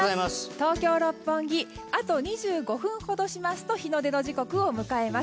東京・六本木あと２５分ほどしますと日の出の時刻を迎えます。